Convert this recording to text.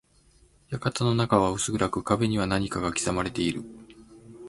館の中は薄暗く、壁には何かが刻まれている。